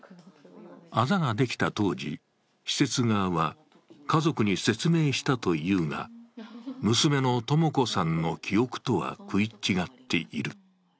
あざができた当時、施設側は家族に説明したというが、娘の智子さんの記憶とは食い違っている。